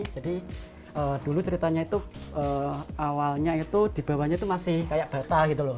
jadi dulu ceritanya itu awalnya itu di bawahnya itu masih kayak bata gitu loh